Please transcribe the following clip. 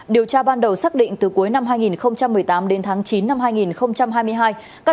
điều tra ban đầu xác định từ cuối năm hai nghìn một mươi tám đến tháng chín năm hai nghìn hai mươi hai